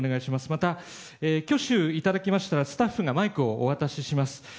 また、挙手いただきましたらスタッフがマイクをお渡しします。